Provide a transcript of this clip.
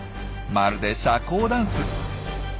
まるで社交ダンス。